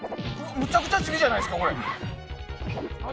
むちゃくちゃ地味じゃないですか。